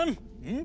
ん？